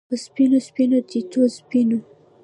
په سپینو، سپینو تتېو سپینو